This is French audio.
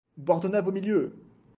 Bordenave au milieu!